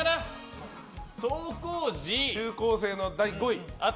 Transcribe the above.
中高生の第５位。